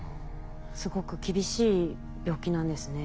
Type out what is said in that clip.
すごく厳しい病気なんですね。